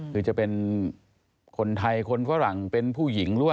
คือจะเป็นคนไทยฝรั่งผู้หญิง